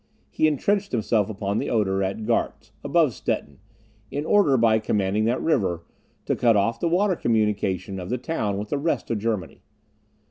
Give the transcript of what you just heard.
He entrenched himself upon the Oder, at Gartz, above Stettin, in order, by commanding that river, to cut off the water communication of the town with the rest of Germany.